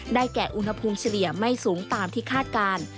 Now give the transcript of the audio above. แก่อุณหภูมิเฉลี่ยไม่สูงตามที่คาดการณ์